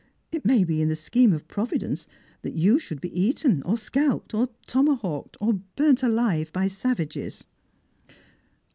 It may be in the scheme of Provi dence that you should be eaten, or scalped, or tomahawked, or \urnt alive by savages."